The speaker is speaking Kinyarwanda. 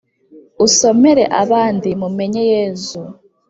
usomere abandi mumenye yezu